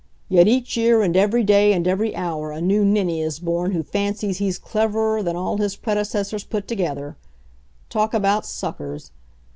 Yet each year, and every day and every hour, a new ninny is born who fancies he's cleverer than all his predecessors put together. Talk about suckers!